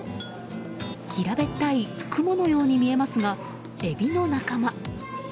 平べったいクモのように見えますが、エビの仲間。